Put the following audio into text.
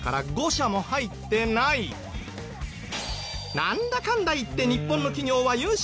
なんだかんだ言って日本の企業は優秀。